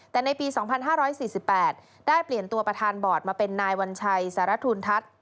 แต่ในปี๒๕๔๘ได้เปลี่ยนตัวประธานบอร์ดมาเป็นนายวัญชัยสารทูลทัศน์